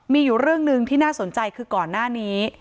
มีอยู่เรื่องหนึ่งที่น่าสนใจคือก่อนหน้านี้